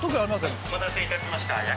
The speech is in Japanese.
お待たせ致しました。